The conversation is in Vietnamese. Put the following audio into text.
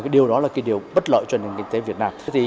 điều đó là điều bất lợi cho nền kinh tế việt nam